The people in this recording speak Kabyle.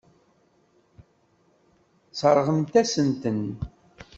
Sseṛɣent-asent-ten.